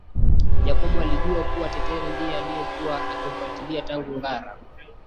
Jacob alijua kuwa Tetere ndiye alikuwa akimfuatilia tangu Ngara